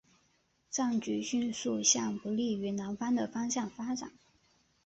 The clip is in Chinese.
战局迅速向不利于南方的方向发展。